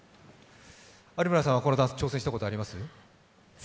有村さんはこのダンス、挑戦したことあります？